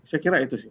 saya kira itu sih